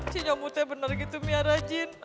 si nyomot bener gitu miara jin